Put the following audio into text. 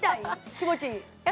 気持ちいい？